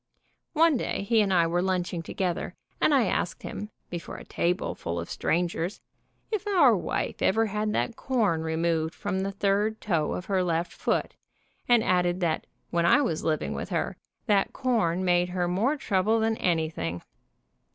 One day he and I were lunching together, and I asked him, before a table full of strangers, if our wife ever had that corn removed from the third toe of her left foot, and added that when I was living with her that corn made her more trouble than anything.